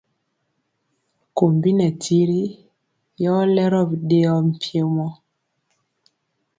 Kumbi nɛ tiri yɔ lero bidɛɛɔ mpiemo.